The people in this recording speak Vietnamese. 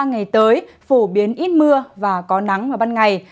ba ngày tới phổ biến ít mưa và có nắng vào ban ngày